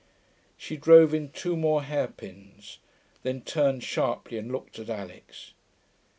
She drove in two more hairpins, then turned sharply and looked at Alix.